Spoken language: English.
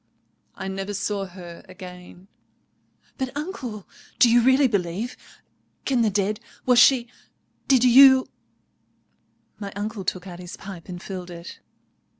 "I never saw her again——" "But, uncle, do you really believe?—Can the dead?—was she—did you——" My uncle took out his pipe and filled it.